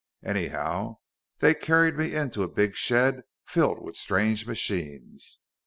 Anyhow, they carried me into a big shed filled with strange machines.